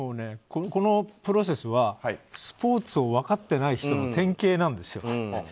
このプロセスはスポーツを分かっていない人の典型なんですよ。